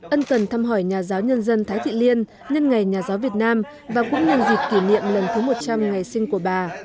ân cần thăm hỏi nhà giáo nhân dân thái thị liên nhân ngày nhà giáo việt nam và cũng nhân dịp kỷ niệm lần thứ một trăm linh ngày sinh của bà